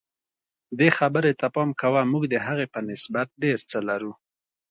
دې خبرې ته پام کوه موږ د هغې په نسبت ډېر څه لرو.